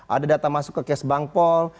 ada data masuk ke cash bank pol